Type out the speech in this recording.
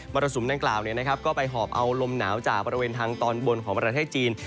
รสุมดังกล่าวก็ไปหอบเอาลมหนาวจากบริเวณทางตอนบนของประเทศจีน